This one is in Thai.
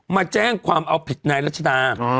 มาแจ้งความเอาผิดนายรัชดา